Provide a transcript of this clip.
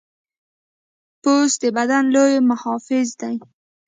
پوست د بدن لوی محافظ دی.